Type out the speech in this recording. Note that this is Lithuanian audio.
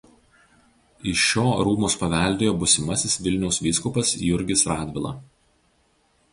Iš šio rūmus paveldėjo būsimasis Vilniaus vyskupas Jurgis Radvila.